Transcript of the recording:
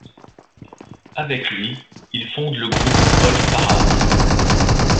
Avec lui, il fonde le groupe Wolf Parade.